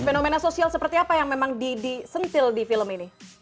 fenomena sosial seperti apa yang memang disentil di film ini